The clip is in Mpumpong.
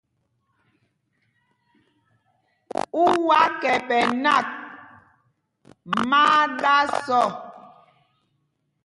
U wá kɛpɛ nak, má á ɗǎs ɔ.